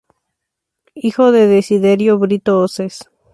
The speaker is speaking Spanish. Hijo de Desiderio Brito Osses.